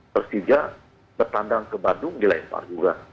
persija bertandang ke bandung dilempar juga